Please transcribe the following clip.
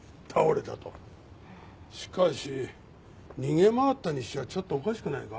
しかし逃げ回ったにしちゃちょっとおかしくないか？